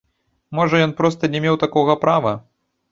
Можа, ён проста не меў такога права?